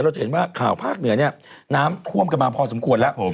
จะเห็นว่าข่าวภาคเหนือเนี่ยน้ำท่วมกันมาพอสมควรแล้ว